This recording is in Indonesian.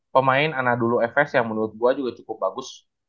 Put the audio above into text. pemain anadolu fs yang menurut gue juga cukup bagus